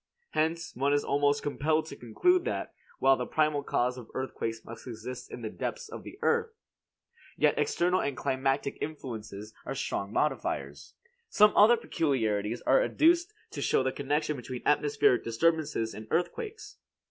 Hence, one is almost compelled to conclude that, while the primal cause of earthquakes must exist in the depths of the earth, yet external and climatic influences are strong modifiers. Some other peculiarities are adduced to show the connection between atmospheric disturbances and earthquakes.